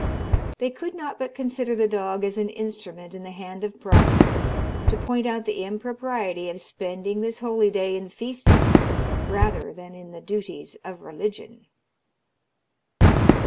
They could not but consider the dog as an instrument in the hand of Providence to point out the impropriety of spending this holy day in feasting rather than in the duties of religion.